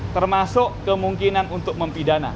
termasuk kemungkinan untuk mempidana